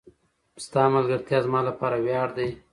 ستا ملګرتیا زما لپاره وياړ دی.